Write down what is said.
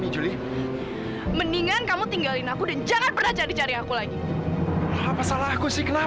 juli aku gak ngerti ini ada apa sih